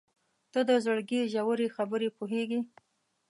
• ته د زړګي ژورې خبرې پوهېږې.